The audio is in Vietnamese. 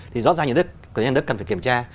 thì rõ ràng nhà nước cần phải kiểm tra